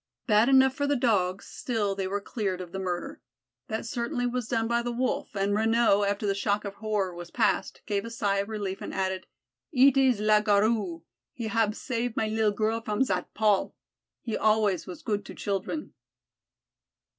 Bad enough for the Dogs, still they were cleared of the murder. That certainly was done by the Wolf, and Renaud, after the shock of horror was past, gave a sigh of relief and added, "Eet is le Garou. He hab save my leel girl from zat Paul. He always was good to children."